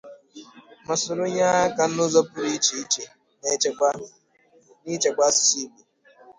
ma soro nye aka n'ụzọ pụrụ iche n'ichekwa asụsụ Igbo